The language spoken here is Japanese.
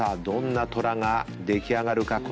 どんな虎が出来上がるか。